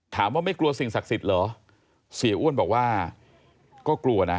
ไม่กลัวสิ่งศักดิ์สิทธิ์เหรอเสียอ้วนบอกว่าก็กลัวนะ